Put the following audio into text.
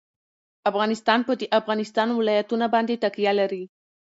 افغانستان په د افغانستان ولايتونه باندې تکیه لري.